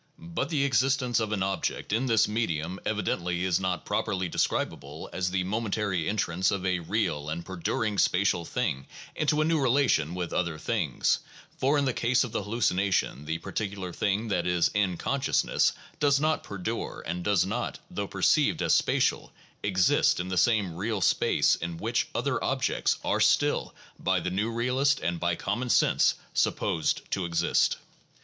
But the existence of an ob ject in this medium evidently is not properly describable as the momentary entrance of a real and perduring spatial thing into a new relation with other things; for in the ease of the hallucination the particular thing that is "in consciousness" does not perdure and does not, though perceived as spatial, exist in the same real space in which other objects are still — by the new realist, and by common sense — supposed to exist.